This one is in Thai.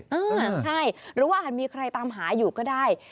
ใช่หรือว่าอาจมีใครตามหาอยู่ก็ได้